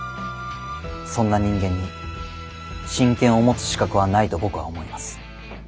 そんな人間に親権を持つ資格はないと僕は思います。